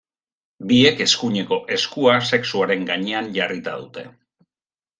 Biek eskuineko eskua sexuaren gainean jarrita dute.